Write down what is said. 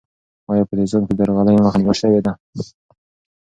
آیا په نظام کې د درغلۍ مخه نیول سوې ده؟